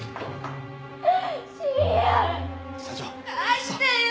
返してよ。